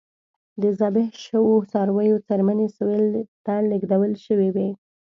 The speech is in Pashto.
د ذبح شویو څارویو څرمنې سویل ته لېږدول شوې وای.